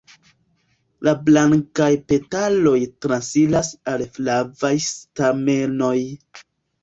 La blankaj petaloj transiras al flavaj stamenoj.